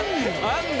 あるんだ。